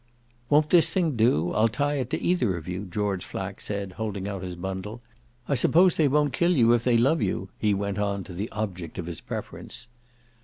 "Won't this thing do? I'll tie it to either of you," George Flack said, holding out his bundle. "I suppose they won't kill you if they love you," he went on to the object of his preference.